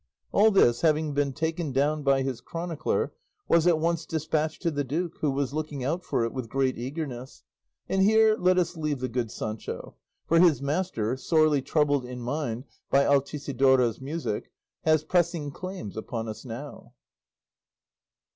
All this, having been taken down by his chronicler, was at once despatched to the duke, who was looking out for it with great eagerness; and here let us leave the good Sancho; for his master, sorely troubled in mind by Altisidora's music, has pressing claims upon us now.